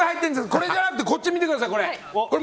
これじゃなくてこっちを見てください。